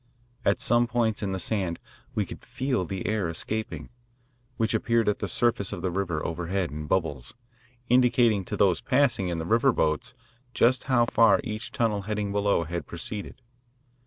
At some points in the sand we could feel the air escaping, which appeared at the surface of the river overhead in bubbles, indicating to those passing in the river boats just how far each tunnel heading below had proceeded.